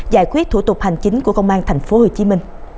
giải quyết thủ tục hành chính của công an tp hcm